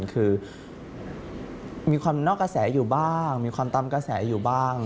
คือมีความนอกกระแสอยู่บ้างมีความตามกระแสอยู่บ้าง